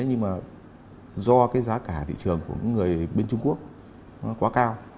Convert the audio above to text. nhưng mà do cái giá cả thị trường của người bên trung quốc nó quá cao